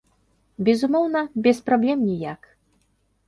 Безумоўна, без праблем ніяк.